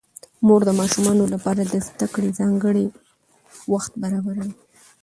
مور د ماشومانو لپاره د زده کړې ځانګړی وخت برابروي